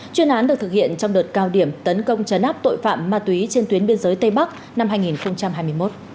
chuyên án được thực hiện trong đợt cao điểm tấn công chấn áp tội phạm ma túy trên tuyến biên giới tây bắc năm hai nghìn hai mươi một